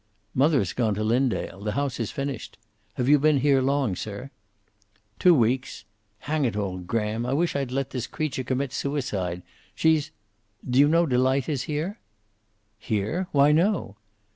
"Mother has gone to Linndale. The house is finished. Have you been here long, sir?" "Two weeks. Hang it all, Graham, I wish I'd let this creature commit suicide. She's do you know Delight is here?" "Here? Why, no."